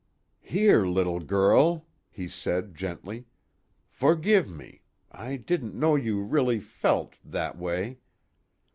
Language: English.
"Here, little girl," he said gently. "Forgive me. I didn't know you really felt that way.